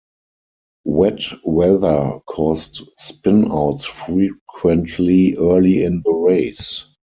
Wet weather caused spinouts frequently early in the race.